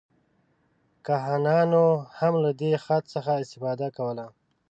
کاهنانو هم له دې خط څخه استفاده کوله.